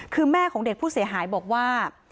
คือแม่ของเด็กผู้เสียหายบอกว่า